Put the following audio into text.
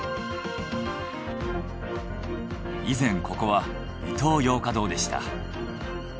以前ここはイトーヨーカドーでした。